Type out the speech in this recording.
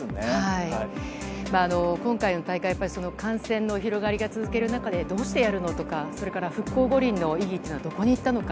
今回の大会は感染の広がりが続く中でどうしてやるの？とか復興五輪の意義はどこにいったのか。